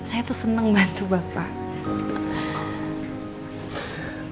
saya tuh senang bantu bapak